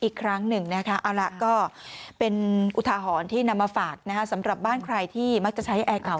ก็เจ็บตรงฝาดแล้วนะค่ะ